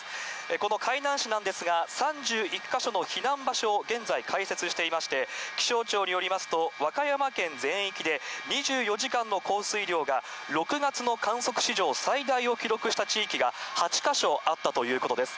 この海南市なんですが、３１か所の避難場所を現在、開設していまして、気象庁によりますと、和歌山県全域で、２４時間の降水量が６月の観測史上最大を記録した地域が８か所あったということです。